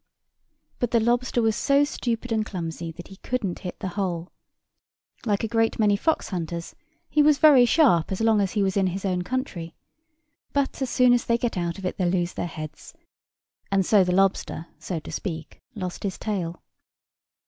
But the lobster was so stupid and clumsy that he couldn't hit the hole. Like a great many fox hunters, he was very sharp as long as he was in his own country; but as soon as they get out of it they lose their heads; and so the lobster, so to speak, lost his tail.